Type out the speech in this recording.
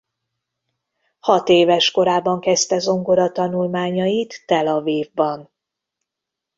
Hat éves korában kezdte zongora tanulmányait Tel-Avivban.